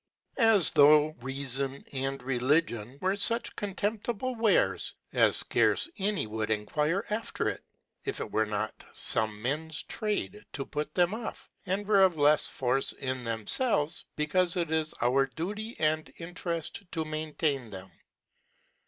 As though Keafon and Religion were fuch contemptible Wares, as fcarce any would en quire alter, if it were not fome Mens 7rade to put them oflF: and were of lefs force in then^ifelves, becaufe Vi is our X)uty and Intereft to maintain them.